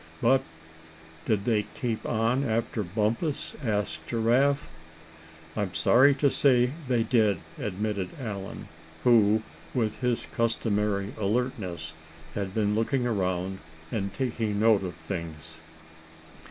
"But did they keep on after Bumpus?" asked Giraffe. "I'm sorry to say they did," admitted Allan, who with his customary alertness had been looking around, and taking note of things.